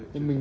trên mạng ạ